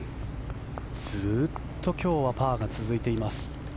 ずっと今日はパーが続いています。